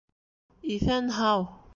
Иҫән-һау!